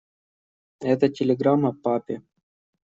Это телеграмма папе.